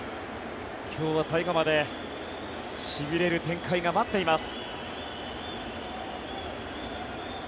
今日は最後までしびれる展開が待っています。